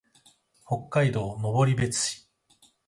北海道登別市